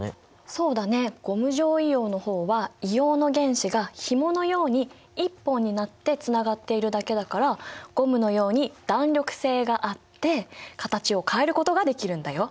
そうだねゴム状硫黄の方は硫黄の原子がひものように１本になってつながっているだけだからゴムのように弾力性があって形を変えることができるんだよ。